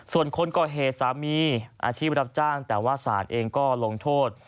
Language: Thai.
ส่วนคนก่อเหตุสามีอาชีพรับจ้างแต่ว่าศาลเองก็ลงโทษ